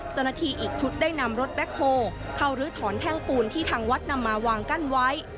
เจ้าหน้าที่อีกชุดได้นำรถแบ็คโฮเข้ารื้อถอนแท่งปูนที่ทางวัดนำมาวางกั้นไว้